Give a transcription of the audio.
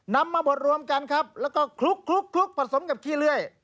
นำมาบดรวมกันครับแล้วก็คลุกผสมกับขี้เลื่อย